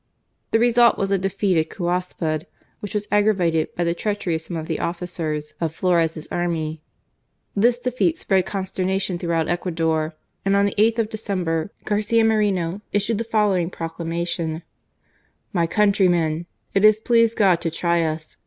The result was a defeat at Cuaspud, which was aggra vated by the treachery of some of the officers of Flores' army. This defeat spread consternation throughout Ecuador, and on the 8th of December, Garcia Moreno issued the following proclamation : THE EXCOMMUNICATED MOSQUERA. 143 " My countrymen ! It has pleased God to try us.